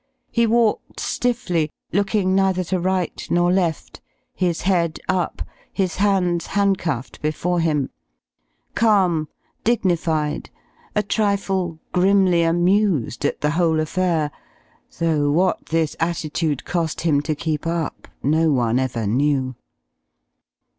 He walked stiffly, looking neither to right nor left, his head up, his hands handcuffed before him; calm, dignified, a trifle grimly amused at the whole affair though what this attitude cost him to keep up no one ever knew.